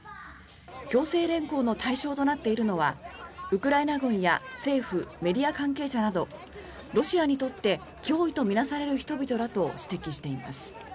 強制連行の対象となっているのはウクライナ軍や政府、メディア関係者などロシアにとって脅威と見なされる人々だと指摘しています。